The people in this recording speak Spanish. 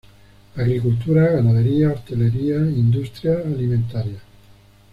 Agricultura, ganadería, hostelería, industria alimentaria.